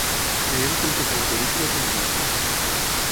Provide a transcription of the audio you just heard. Veiem com tota la pel·lícula és un flashback.